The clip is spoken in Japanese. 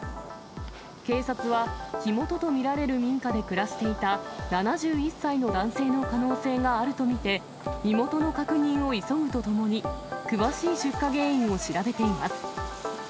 警察は火元と見られる民家で暮らしていた７１歳の男性の可能性があると見て、身元の確認を急ぐとともに、詳しい出火原因を調べています。